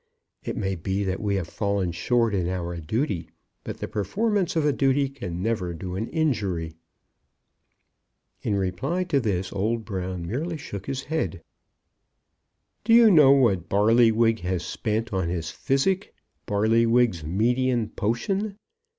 It may be that we have fallen short in our duty; but the performance of a duty can never do an injury." In reply to this, old Brown merely shook his head. "Do you know what Barlywig has spent on his physic; Barlywig's Medean Potion?